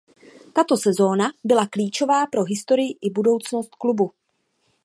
Tato sezóna byla klíčová pro historii i budoucnost klubu.